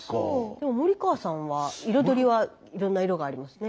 でも森川さんは彩りはいろんな色がありますね。